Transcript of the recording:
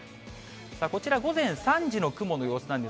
こちら午前３時の雲の様子なんです。